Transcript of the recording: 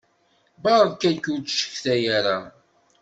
Beṛka-k ur ttcetkay ara!